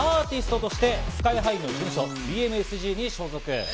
そしてＳＨＯＴＡさんはアーティストとしてＳＫＹ−ＨＩの事務所、ＢＭＳＧに所属。